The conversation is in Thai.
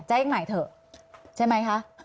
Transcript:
แจ้งใหม่เถอะใช่ไหมคะ